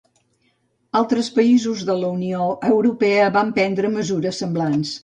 Altres països de la Unió Europea van prendre mesures semblants.